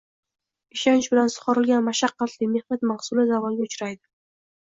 ishonch bilan sug‘orilgan mashaqqatli mehnat mahsuli zavolga uchraydi.